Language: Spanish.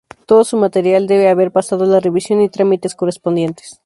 Todo su material debe haber pasado la revisión y trámites correspondientes.